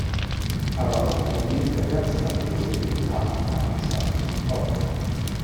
Aber auch die Nebenerwerbslandwirte geben nach und nach die Schafzucht auf.